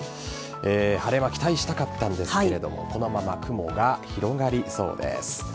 晴れ間、期待したかったんですがこのまま雲が広がりそうです。